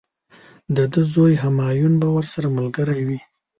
د ده زوی همایون به ورسره ملګری وي.